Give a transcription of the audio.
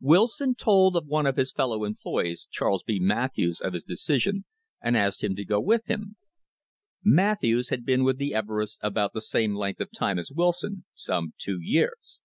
Wilson told one of his fellow employees, Charles B. Matthews, of his decision, and asked him to go with him. Matthews had been with the Everests about the same length of time as Wilson some two years.